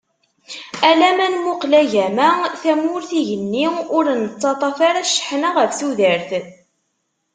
Ala ma nmuqel agama, tamurt, igenni ur nettaṭaf ara cceḥna ɣef tudert.